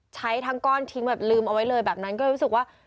ใช้ทั้งก้อนทิ้งแบบลืมเอาไว้เลยแบบนั้นก็เลยรู้สึกว่า